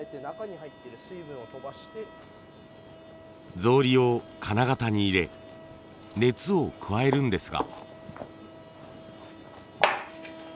草履を金型に入れ熱を加えるんですが。